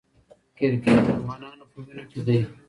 کرکټ د افغانانو په وینو کې دی.